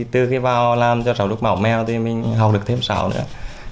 từ khi vào làm cho sáo trúc mão mèo thì mình học được thêm sáu nữa